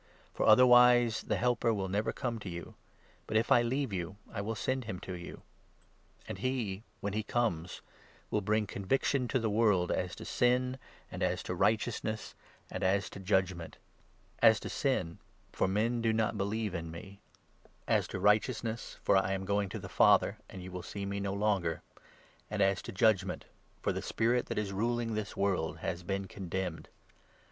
For otherwise the Helper will never come to you, but, if I leave you, I will send him to you. And he, 8 when he comes, will bring conviction to the world as to Sin, and as to Righteousness, and as to Judgement ; as to Sin, for 9 men do not believe in me ; as to Righteousness, for I am 10 25 Ps. 35. 19. 198 JOHN, 16 going to the Father, and you will see me no longer ; as to 1 1 Judgement, for the Spirit that is ruling this world has been condemned.